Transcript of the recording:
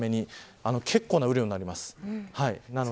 結構な雨量になります。